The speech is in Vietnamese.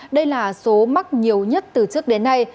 đây là số mắc nhiều nhất từ trước đến nay